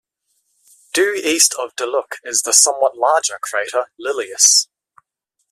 Due east of Deluc is the somewhat larger crater Lilius.